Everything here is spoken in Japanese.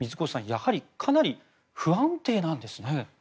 やはりかなり不安定なんですね。